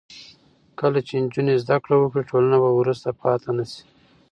کله چې نجونې زده کړه وکړي، ټولنه به وروسته پاتې نه شي.